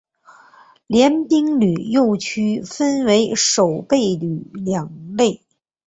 联兵旅又区分为守备旅两类。